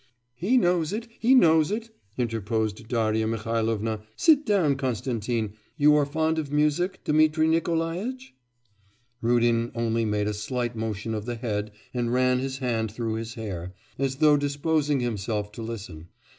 'He knows it, he knows it!' interposed Darya Mihailovna. 'Sit down, Konstantin. You are fond of music, Dmitri Nikolaitch?' Rudin only made a slight motion of the head and ran his hand through his hair, as though disposing himself to listen.